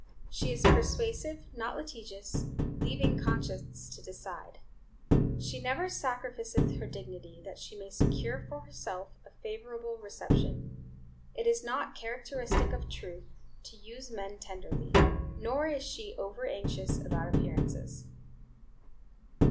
She is persuasive, not litigious, leaving conscience to decide. She never sacrificeth her dignity that she may secure for herself a favorable reception. It is not a characteristic of Truth to use men tenderly; nor is she overanxious about appearances."